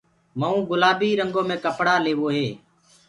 مئونٚ گُلآبي رنٚگو مي ڪپڙآ ليوو هي